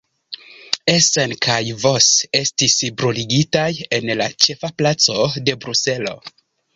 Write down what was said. Essen kaj Vos estis bruligitaj en la ĉefa placo de Bruselo.